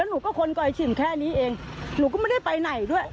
หนูก็คนก่อยฉิมแค่นี้เองหนูก็ไม่ได้ไปไหนด้วย